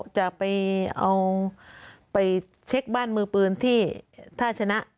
จะไปเอาไปเช็คบ้านมือปืนที่ท่าชนะ